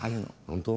本当？